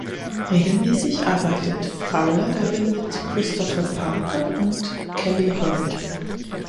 Regelmäßig arbeitet Fowler darin mit Christopher Parker und Kelley Hurt.